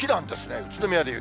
宇都宮で雪。